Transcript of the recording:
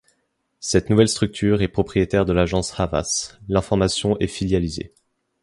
Cette nouvelle structure est propriétaire de l'Agence Havas, l'information est filialisée.